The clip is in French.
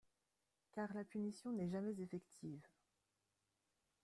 Car la punition n'est jamais effective.